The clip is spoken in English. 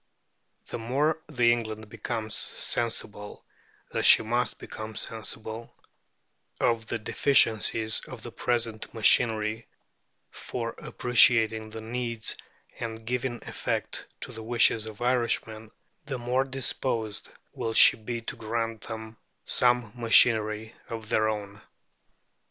The more that England becomes sensible, as she must become sensible, of the deficiencies of the present machinery for appreciating the needs and giving effect to the wishes of Irishmen, the more disposed will she be to grant them some machinery of their own.